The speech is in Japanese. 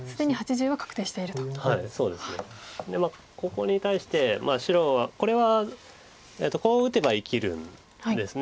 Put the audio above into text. ここに対して白はこれはこう打てば生きるんです。